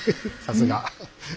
さすが。